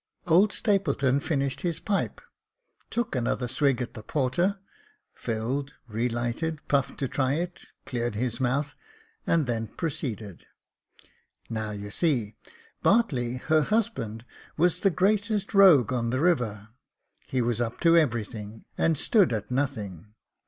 Old Stapleton finished his pipe, took another swig at the porter, filled, relighted, puffed to try it, cleared his mouth, and then proceeded :—" Now you see, Bartley, her husband, was the greatest rogue on the river 5 he was up to everything, and stood at nothing.